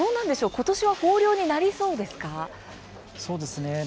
ことしは豊漁になりそうですか？